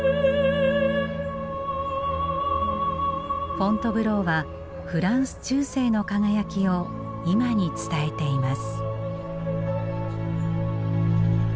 フォントヴローはフランス中世の輝きを今に伝えています。